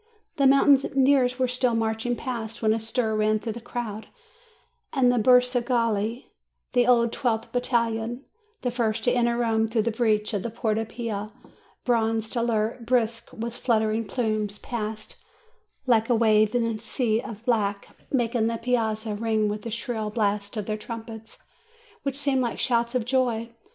The mountaineers were still marching past, when a stir ran through the crowd, and the "bersaglieri," the old twelfth battalion, the first to enter Rome through the breach at the Porta Pia, bronzed, alert, brisk with fluttering plumes, passed like a wave in a THE ARMY 313 sea of black, making the piazza ring with the shrill blasts of their trumpets, which seemed like shouts of joy.